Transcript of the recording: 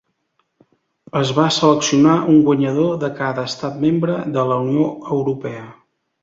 Es va seleccionar un guanyador de cada estat membre de la Unió Europea.